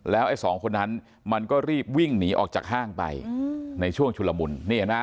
ไอ้สองคนนั้นมันก็รีบวิ่งหนีออกจากห้างไปในช่วงชุลมุนนี่เห็นไหม